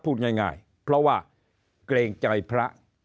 พูดง่ายเพราะว่าเกรงใจพระ